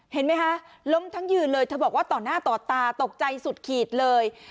เห็นไหมคะล้มทั้งยืนเลยเธอบอกว่าต่อหน้าต่อตาตกใจสุดขีดเลย